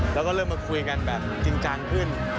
แล้วก็เริ่มมาคุยกันแบบจริงจังขึ้น